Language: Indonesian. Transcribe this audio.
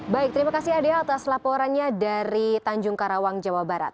baik terima kasih adea atas laporannya dari tanjung karawang jawa barat